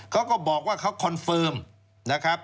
เขาก็บอกว่าเขาคอนเฟิร์มนะครับ